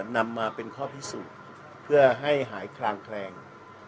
นำมาเป็นข้อพิสูจน์เพื่อให้หายคลางแคลง